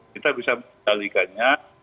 kita bisa menjalinkannya